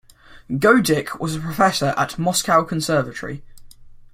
Goedicke was a professor at Moscow Conservatory.